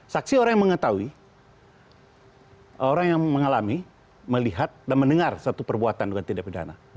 saksi orang yang mengetahui orang yang mengalami melihat dan mendengar satu perbuatan dengan tidak pidana